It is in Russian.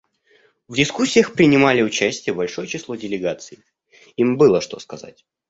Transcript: В дискуссиях принимали участие большое число делегаций; им было что сказать.